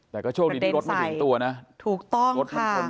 แต่ก็โชคดีที่รถไม่ถึงตัวนะถูกต้องรถมันชน